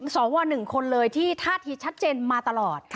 สว๑คนเลยที่ท่าทีชัดเจนมาตลอด